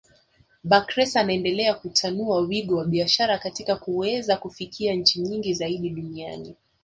Bakhresa anaendelea kutanua wigo wa biashara katika kuweza kufikia nchi nyingi zaidi duniani